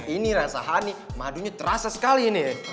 ini rasa hanik madunya terasa sekali nih